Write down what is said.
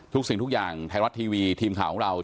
สิ่งทุกอย่างไทยรัฐทีวีทีมข่าวของเรา